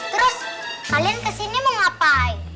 terus kalian kesini mau ngapain